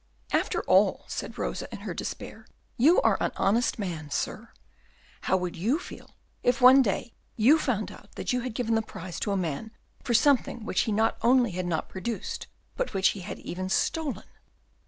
"After all," said Rosa, in her despair, "you are an honest man, sir; how would you feel if one day you found out that you had given the prize to a man for something which he not only had not produced, but which he had even stolen?"